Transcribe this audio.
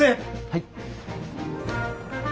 はい。